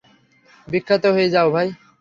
বিখ্যাত হয়ে যাও ভাই।